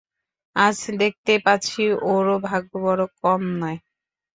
আজ দেখতে পাচ্ছি ওরও ভাগ্য বড়ো কম নয়।